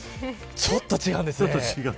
ちょっと違うんです。